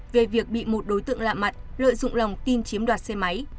về việc bị một đối tượng lạ mặt lợi dụng lòng tin chiếm đoạt xe máy